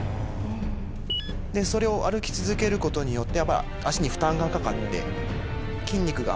でそれを歩き続ける事によってやっぱ足に負担がかかって。